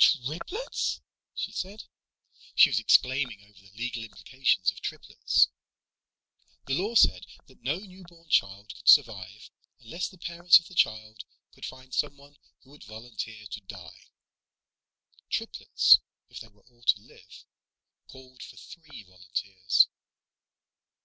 "Triplets!" she said. She was exclaiming over the legal implications of triplets. The law said that no newborn child could survive unless the parents of the child could find someone who would volunteer to die. Triplets, if they were all to live, called for three volunteers.